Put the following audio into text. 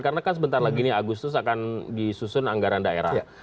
karena kan sebentar lagi nih agustus akan disusun anggaran daerah